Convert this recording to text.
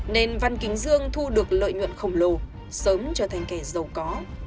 nên văn kính dương thu được lợi nhuận khổng lồ sớm trở thành kẻ giàu có